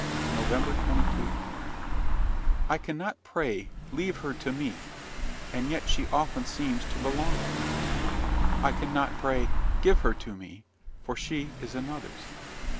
NOVEMBER 22 I cannot pray, "Leave her to me!" and yet she often seems to belong to me. I cannot pray, "Give her to me!" for she is another's.